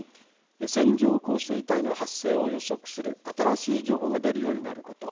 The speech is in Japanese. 線状降水帯の発生を予測する新しい情報が出るようになること。